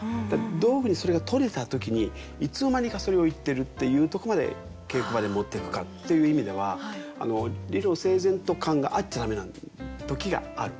どういうふうにそれが取れた時にいつの間にかそれを言ってるっていうとこまで稽古場で持っていくかっていう意味では理路整然と感があっちゃ駄目な時がある。